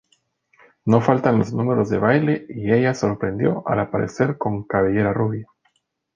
No faltan los números de baile y ella sorprendió al aparecer con cabellera rubia.